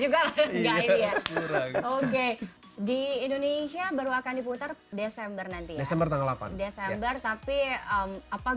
oke di indonesia baru akan diputar desember nanti ya semua tanggal delapan desember tapi apa